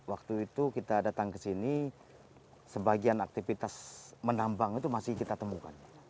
waktu itu kita datang ke sini sebagian aktivitas menambang itu masih kita temukan